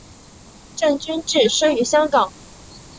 郑君炽生于香港。